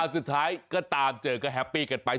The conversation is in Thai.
สุดท้ายก็ตามเจอก็แฮปปี้กันไป